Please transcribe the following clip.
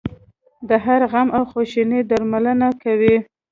د هر غم او خواشینۍ درملنه کوي.